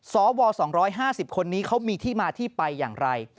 สว๒๕๐คนนี้เขามีที่มาที่ไปอย่างไร